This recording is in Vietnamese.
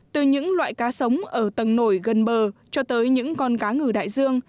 từ những loại cá sống ở tầng nổi gần bờ cho tới những con cá ngừ đại dương